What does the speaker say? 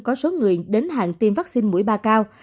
có số người đến hàng tiêm vaccine mũi ba cao